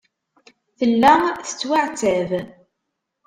Tella tettwaɛettab.